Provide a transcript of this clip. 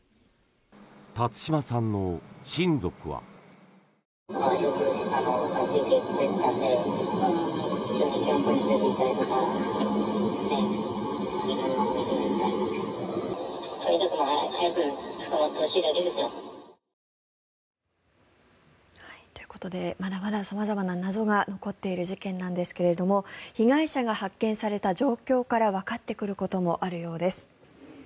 辰島さんの親族は。ということでまだまだ様々な謎が残っている事件なんですが被害者が発見された状況からわかってくることもあるようです。